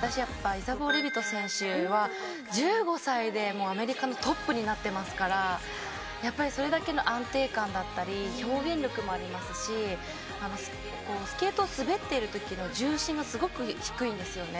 私はイザボー・レヴィト選手は１５歳でアメリカのトップになっていますからそれだけの安定感だったり表現力もありますしスケートを滑っているときの重心がすごく低いんですよね。